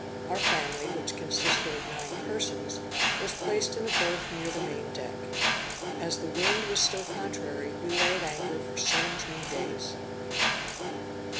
Our family, which consisted of nine persons, was placed in a berth near the main deck. As the wind was still contrary, we lay at anchor for seventeen days.